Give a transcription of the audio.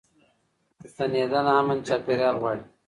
ستنېدنه امن چاپيريال غواړي.